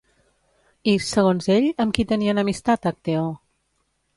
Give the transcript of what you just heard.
I, segons ell, amb qui tenia enemistat Acteó?